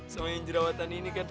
sama yang jerawatan ini kan